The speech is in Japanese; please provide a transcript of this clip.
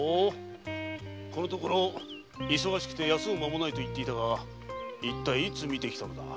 このところ忙しくて休む間もないと言っていたが一体いつ見てきたのだ？